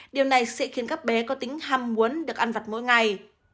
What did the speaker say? điều này sẽ khiến các bé có tính ham muốn được ăn vặt mỗi ngày